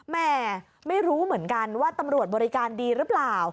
แม่ไม่รู้เหมือนกันว่าตำรวจบริการดีหรือเปล่า